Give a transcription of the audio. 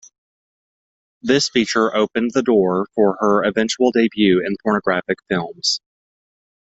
This feature opened the door for her eventual debut in pornographic films.